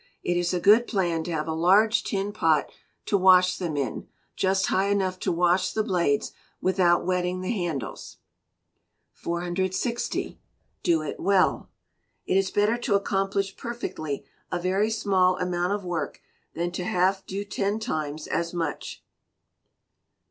It is a good plan to have a large tin pot to wash them in, just high enough to wash the bladet without wetting the handles. 460. Do It Well. It is better to accomplish perfectly a very small amount of work, than to half do ten times as much.